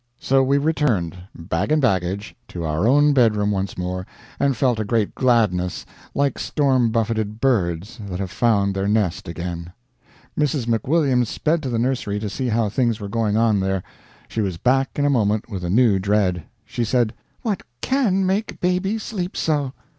So we returned, bag and baggage, to our own bedroom once more, and felt a great gladness, like storm buffeted birds that have found their nest again. Mrs. McWilliams sped to the nursery to see how things were going on there. She was back in a moment with a new dread. She said: "What CAN make Baby sleep so?"